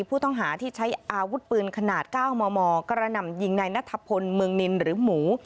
ผู้ต้องหาที่ใช้อาวุธปืนขนาด๙มมกระหน่ำยิงในนัทพลเมืองนินหรือหมู